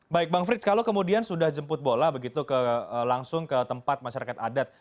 baik bang frits kalau kemudian sudah jemput bola begitu langsung ke tempat masyarakat adat